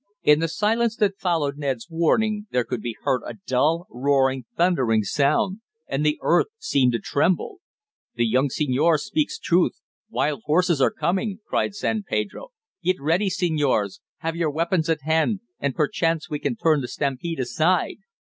In the silence that followed Ned's warning there could be heard a dull, roaring, thundering sound, and the earth seemed to tremble. "The young senor speaks truth! Wild horses are coming!" cried San Pedro. "Get ready, senors! Have your weapons at hand, and perchance we can turn the stampede aside."